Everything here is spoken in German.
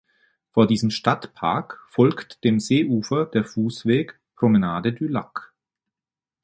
Vor diesem Stadtpark folgt dem Seeufer der Fussweg "Promenade du Lac".